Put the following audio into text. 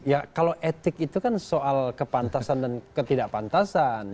ya kalau etik itu kan soal kepantasan dan ketidakpantasan